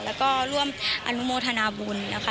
แล้วก็ร่วมอนุโมทนาบุญนะคะ